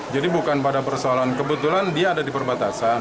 jadi bukan pada persoalan kebetulan dia ada di perbatasan